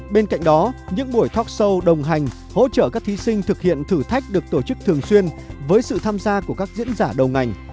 bên cạnh đó những buổi talk show đồng hành hỗ trợ các thí sinh thực hiện thử thách được tổ chức thường xuyên với sự tham gia của các diễn giả đầu ngành